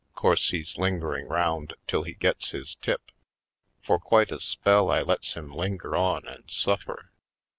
Course he's lingering round till he gets his tip. For quite a spell I lets him linger on and suffer.